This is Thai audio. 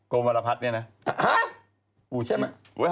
กรมวรพัฒน์เนี่ยนะใช่ไหมฮะ